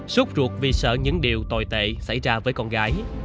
xúc ruột vì sợ những điều tồi tệ xảy ra với con gái